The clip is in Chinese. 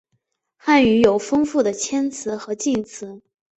汉语有丰富的谦辞和敬辞。